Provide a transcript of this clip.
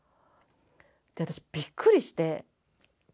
私びっくりして。